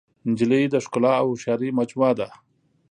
نجلۍ د ښکلا او هوښیارۍ مجموعه ده.